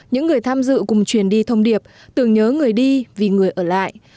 những người tham dự cùng truyền đi thông điệp tưởng nhớ người đi vì người ở lại